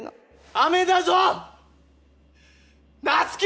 雨だぞ夏希！！